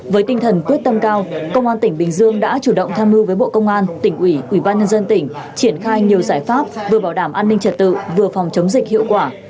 với tinh thần quyết tâm cao công an tỉnh bình dương đã chủ động tham mưu với bộ công an tỉnh ủy ủy ban nhân dân tỉnh triển khai nhiều giải pháp vừa bảo đảm an ninh trật tự vừa phòng chống dịch hiệu quả